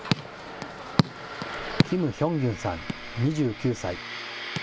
キム・ヒョンギュンさん２９歳。